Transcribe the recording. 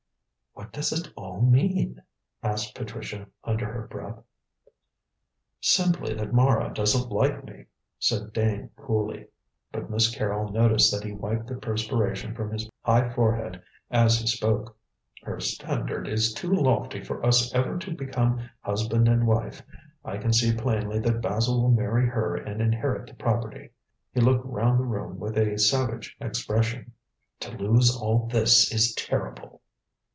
"What does it all mean?" asked Patricia, under her breath. "Simply that Mara doesn't like me," said Dane coolly, but Miss Carrol noticed that he wiped the perspiration from his high forehead as he spoke; "her standard is too lofty for us ever to become husband and wife. I can see plainly that Basil will marry her and inherit the property." He looked round the room with a savage expression. "To lose all this is terrible!"